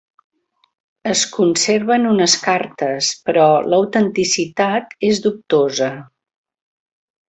Es conserven unes cartes, però l'autenticitat és dubtosa.